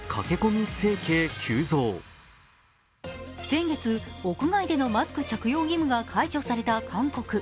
先月、屋外でのマスク着用義務が解除された韓国。